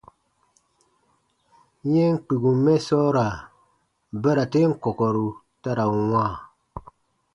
Yɛm kpikum mɛ sɔɔra bara ten kɔkɔru ta ra n wãa.